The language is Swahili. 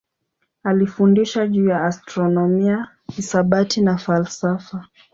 Alifundisha juu ya astronomia, hisabati na falsafa.